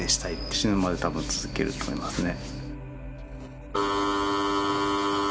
死ぬまで多分続けると思いますね。